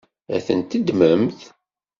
Ad ten-teddmemt?